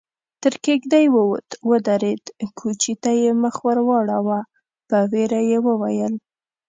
تر کېږدۍ ووت، ودرېد، کوچي ته يې مخ ور واړاوه، په وېره يې وويل: